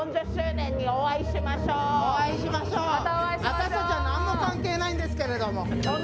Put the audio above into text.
私たちは何も関係ないんですけど。